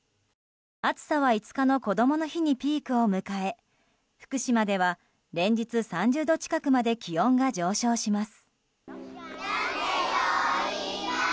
暑さは５日のこどもの日にピークを迎え福島では連日３０度近くまで気温が上昇します。